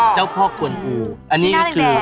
เจ้าพ่อกวนอูอันนี้ก็คือ